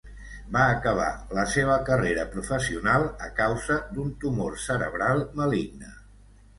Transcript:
Va acabar la seva carrera professional a causa d'un tumor cerebral maligne.